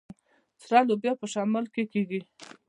سره لوبیا په شمال کې کیږي.